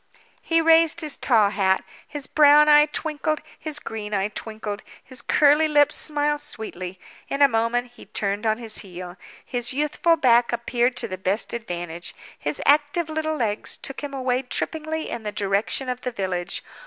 He raised his tall hat. His brown eye twinkled, his green eye twinkled, his curly lips smiled sweetly. In a moment he turned on his heel. His youthful back appeared to the best advantage; his active little legs took him away trippingly in the direction of the village.